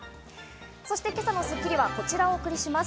そして今朝の『スッキリ』はこちらをお送りします。